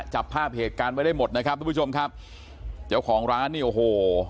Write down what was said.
จับภาพเหตุการณ์ไว้ได้หมดนะครับทุกผู้ชมครับเจ้าของร้านเนี่ยโอ้โห